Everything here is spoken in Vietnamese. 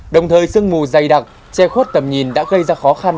đồng thời sương mù dày đặc che khuất tầm nhìn đã gây ra khó khăn